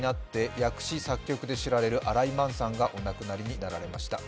訳詞・作曲で知られる新井満さんがお亡くなりになりました。